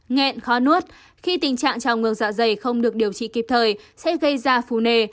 nghẹn khó nuốt khi tình trạng trào ngược dạ dày không được điều trị kịp thời sẽ gây ra phù nề